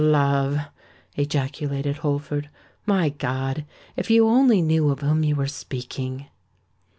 "Love!" ejaculated Holford. "My God! if you only knew of whom you were speaking!"